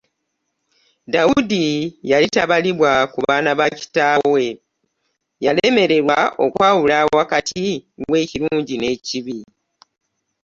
Dawuddi yali tabalibwa ku baana ba kitaawe .Yalemererwa okwawula wakatin w'eakilunji n'ekibi .